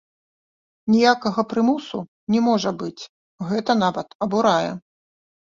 Ніякага прымусу не можа быць, гэта нават абурае.